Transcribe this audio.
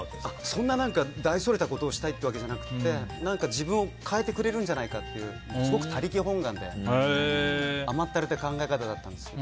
そんな、大それたことをしたいっていうわけじゃなくて自分を変えてくれるんじゃないかというすごく他力本願で甘ったれた考えだったんですよ。